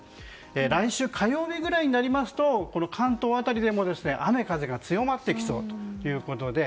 来週火曜日ぐらいになりますと関東辺りでも雨風が強まってきそうということで。